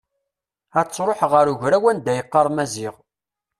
Ad truḥ ɣer ugraw anda yeɣɣar Maziɣ.